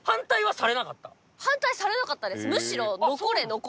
はい反対されなかったです